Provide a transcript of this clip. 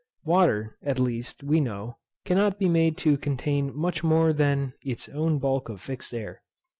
Water, at least, we know, cannot be made to contain much more than its own bulk of fixed air.